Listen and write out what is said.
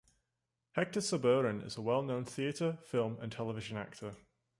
Hector Soberon is a well known theater, film and television actor.